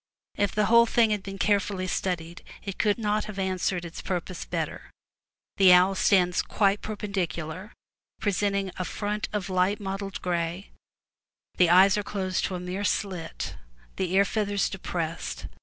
If the whole thing had been carefully studied it could not have answered its purpose better. The owl stands quite perpendicular, presenting a front of light mottled gray; the eyes are closed to a mere slit, the ear feathers depressed, ^